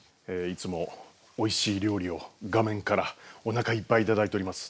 いつもおいしい料理を画面からおなかいっぱい頂いております。